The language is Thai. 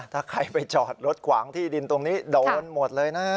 ถ้าใครไปจอดรถขวางที่ดินตรงนี้โดนหมดเลยนะ